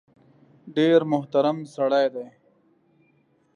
ډېر محترم سړی دی .